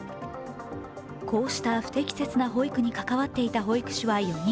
こうした不適切な保育に関わっていた保育士は４人。